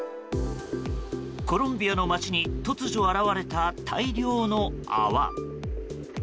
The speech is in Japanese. コロンビアの街に突如、現れた大量の泡。